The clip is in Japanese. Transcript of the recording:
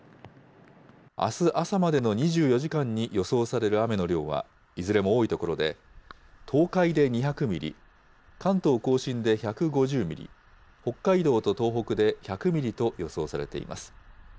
あす朝までの２４時間に予想される雨の量は、いずれも多い所で、東海で２００ミリ、関東甲信で１５０ミリ、北海道と東北で１００ミリと予想されています。